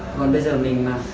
còn bây giờ mình mà